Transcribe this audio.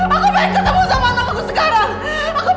aku pengen ketemu sama anak aku sekarang aku pengen ketemu